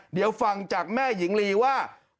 เดี๋ยวฟังจากแม่หญิงลีว่า